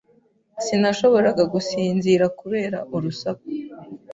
Sinashoboraga gusinzira kubera urusaku.